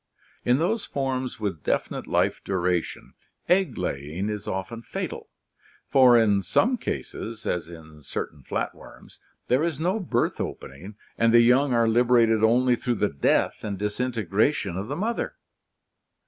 In those forms with definite life duration, egg laying is often fatal, for in some cases, as in certain flatworms, there is no birth opening and the young are liberated only through the death and disintegration of the mother.